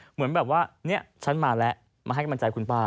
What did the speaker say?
เหมือนแบบว่าเนี่ยฉันมาแล้วมาให้กำลังใจคุณป้า